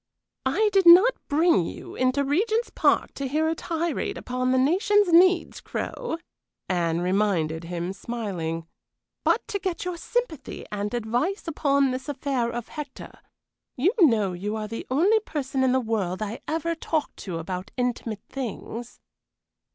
"I did not bring you into Regent's Park to hear a tirade upon the nation's needs, Crow," Anne reminded him, smiling, "but to get your sympathy and advice upon this affair of Hector. You know you are the only person in the world I ever talk to about intimate things."